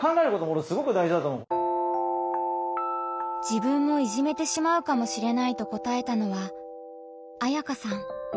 自分もいじめてしまうかもしれないと答えたのはあやかさん。